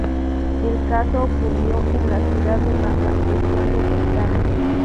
El caso ocurrió en la ciudad de Massa, región de Toscana.